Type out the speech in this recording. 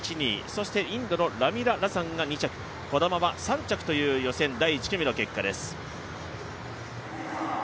そしてインドのタミララサンが２着児玉は３着という予選第１組の結果です。